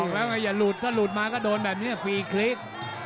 แล้วไงอย่าหลุดถ้าหลุดมาก็โดนแบบนี้ฟรีคลิก